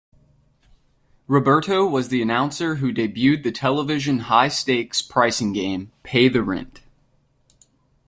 Roberto was the announcer who debuted the television high-stakes pricing game "Pay the Rent".